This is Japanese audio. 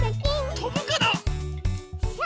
とぶかな？